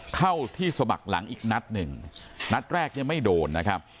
เข้าที่สมัครหลังอีกนัดหนึ่งนัดแรกเนี่ยไม่โดนนะครับ